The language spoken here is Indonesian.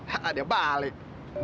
hah dia balik